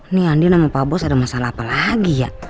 ini andi nama pak bos ada masalah apa lagi ya